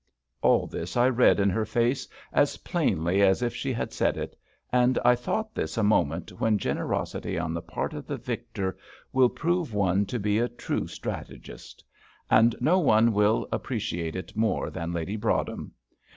All this I read in her face as plainly as if she had said it; and I thought this a moment when generosity on the part of the victor will prove one to be a true strategist; and no one will appreciate it more than Lady Broadhem.